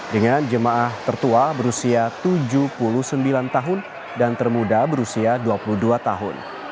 dengan jemaah tertua berusia tujuh puluh sembilan tahun dan termuda berusia dua puluh dua tahun